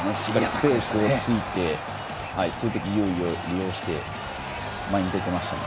スペースを突いて数的優位を利用して前に出ていましたね。